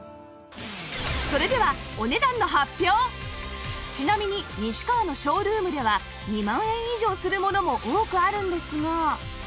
それではちなみに西川のショールームでは２万円以上するものも多くあるんですが